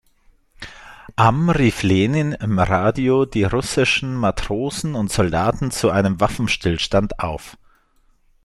Am rief Lenin im Radio die russischen Matrosen und Soldaten zu einem Waffenstillstand auf.